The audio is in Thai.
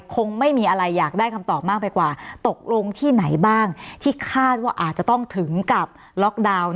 คงไม่มีอะไรอยากได้คำตอบมากไปกว่าตกลงที่ไหนบ้างที่คาดว่าอาจจะต้องถึงกับล็อกดาวน์